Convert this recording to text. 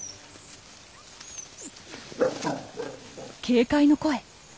警戒の声。